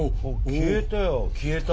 消えたよ消えた。